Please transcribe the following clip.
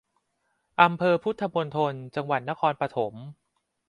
อำเภอพุทธมณฑล จังหวัดนครปฐม